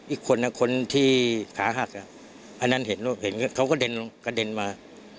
อีกคนคนที่ขาหักอันนั้นเห็นเขาก็กระเด็นมา